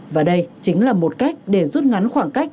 và đây chính là một cách để rút ngắn khoảng cách